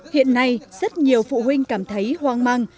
hiện nay rất nhiều phụ huynh cảm thấy hoang mang